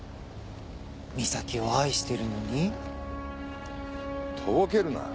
美咲を愛してるのに？とぼけるな。